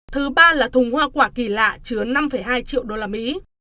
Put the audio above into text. thứ ba là thùng hoa quả kỳ lạ chứa năm hai triệu usd